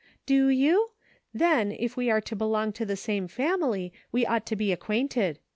"Do you.? Then, if we are to belong to the same family, we ought to be acquainted.